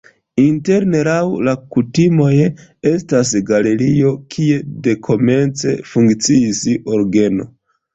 Interne laŭ la kutimoj estas galerio, kie dekomence funkciis orgeno.